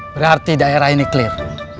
berarti daerah ini clear